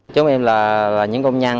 chúng em là những công nhân